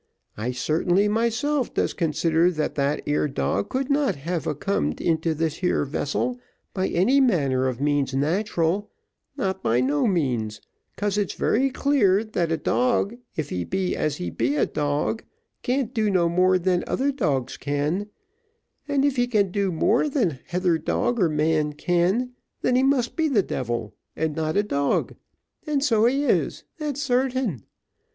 I sartainly myself does consider that that ere dog could not a have cummed into this here vessel by any manner of means natural not by no means, 'cause it's very clear, that a dog if he be as he be a dog, can't do no more than other dogs can; and if he can do more than heither dog or man can, then he must be the devil, and not a dog and so he is that's sartain.